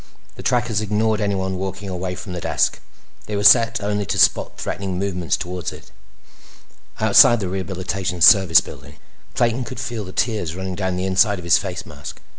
The trackers ignored anyone walking away from the desk; they were set only to spot threatening movements toward it. Outside the Rehabilitation Service Building, Clayton could feel the tears running down the inside of his face mask.